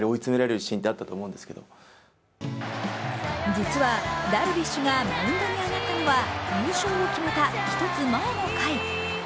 実はダルビッシュがマウンドに上がったのは優勝を決めた１つ前の回。